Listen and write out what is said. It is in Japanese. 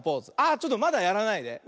あちょっとまだやらないで。